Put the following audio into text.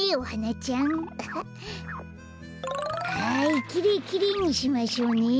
はいきれいきれいにしましょうね。